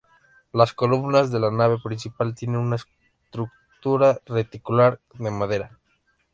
Las columnas de la nave principal tienen una estructura reticular de madera.